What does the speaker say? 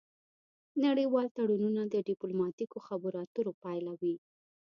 نړیوال تړونونه د ډیپلوماتیکو خبرو اترو پایله وي